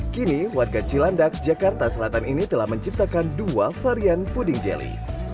kini warga cilandak jakarta selatan ini telah menciptakan dua varian puding jeli